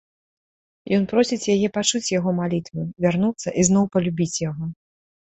Ён просіць яе пачуць яго малітвы, вярнуцца і зноў палюбіць яго.